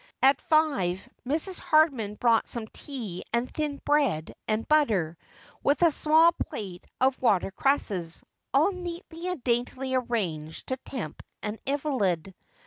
At five Mrs. Hardman brought some tea and thin bread and butter, with a small plate of watercresses, all neatly and daintily arranged to tempt an invalid.